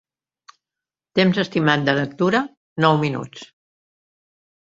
Temps estimat de lectura: nou minuts.